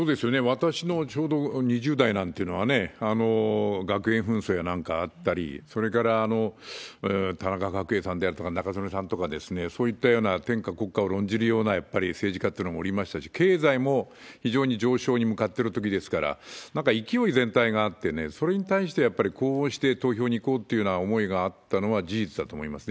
私のちょうど２０代なんてのはね、学園紛争なんかあったり、それから田中角栄さんであるとか中曽根さんとか、そういったような天下国家を論じるような、やっぱり政治家っていうのもおりましたし、経済も非常に上昇に向かってるときですから、なんか勢い全体があってね、それに対してやっぱり呼応して投票に行こうっていう思いがあったのは事実だと思いますね。